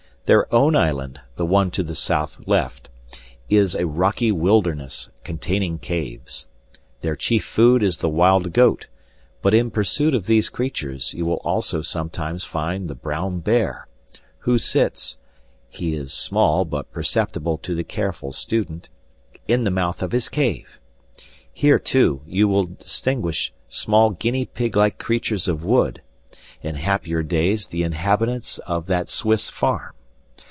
Their own island, the one to the south left, is a rocky wilderness containing caves. Their chief food is the wild goat, but in pursuit of these creatures you will also sometimes find the brown bear, who sits he is small but perceptible to the careful student in the mouth of his cave. Here, too, you will distinguish small guinea pig like creatures of wood, in happier days the inhabitants of that Swiss farm.